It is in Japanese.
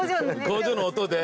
工場の音で。